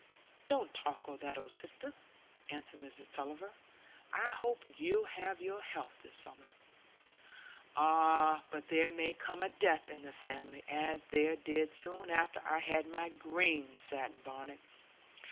"Don't talk o' that sister," answered Mrs Tulliver. "I hope you'll have your health this summer." "Ah! but there may come a death in the family, as there did soon after I had my green satin bonnet.